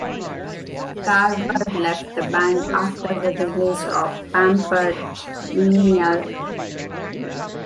Carver left the band after the release of "Pampered Menial".